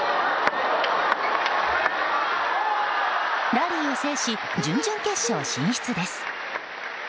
ラリーを制し、準々決勝進出です。